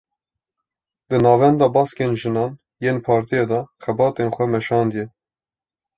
Di navenda baskên jinan yên partiyê de xebatên xwe meşandiye